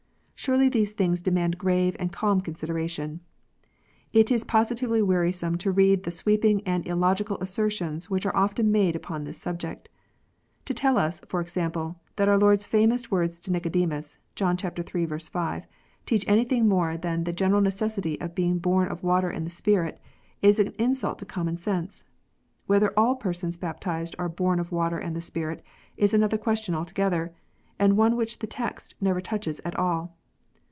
Surely these things demand grave and calm consideration ! It is positively wearisome to read the sweeping and illogical assertions which are often made upon this subject. To tell us, for example, that our Lord s famous words to Nicodemus (John iii. 5), teach anything more than the (jcneral necessity of being " born of water and the spirit," is an insult to common sense. Whether all persons baptized are " born of water and the Spirit " is another question altogether, and one which the text never touches at all.